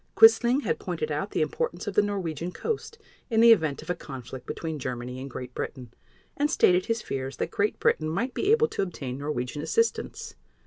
Quisling had pointed out the importance of the Norwegian coast in the event of a conflict between Germany and Great Britain, and stated his fears that Great Britain might be able to obtain Norwegian assistance.